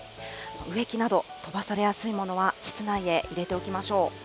植木など、飛ばされやすいものは室内へ入れておきましょう。